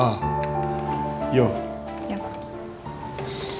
karena keputusannya itu bukan seperti beliau sekali